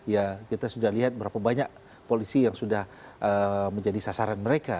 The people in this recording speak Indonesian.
ya kita sudah lihat berapa banyak polisi yang sudah menjadi sasaran mereka